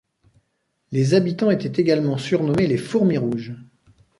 Les habitants étaient également surnommés les fourmis rouges.